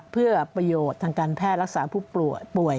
เพื่อประโยชน์ทางการแพทย์รักษาผู้ป่วยป่วย